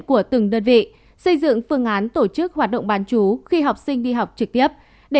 của từng đơn vị xây dựng phương án tổ chức hoạt động bán chú khi học sinh đi học trực tiếp